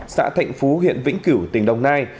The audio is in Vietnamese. xã thạnh phú huyện vĩnh cửu tỉnh đồng nai